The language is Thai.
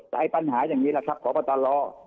แต่ไอ้ปัญหาอย่างนี้แหละครับพบตร